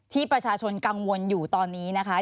ที่ประชาชนกังวลอยู่ตอนนี้นะคะ